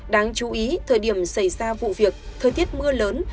đáng chú ý thời điểm xảy ra vụ việc thời tiết mưa lớn